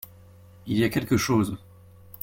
Il y a quelque chose…